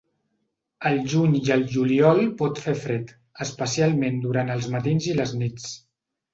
Al juny i al juliol pot fer fred, especialment durant els matins i les nits.